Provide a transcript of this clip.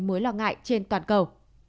mối lo ngại trên toàn cầu